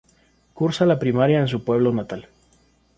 Cursa la primaria en su pueblo natal.